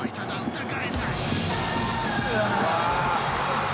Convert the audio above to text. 「うわ」